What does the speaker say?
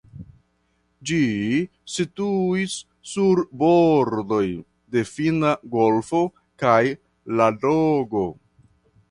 Ĝi situis sur bordoj de Finna golfo kaj Ladogo.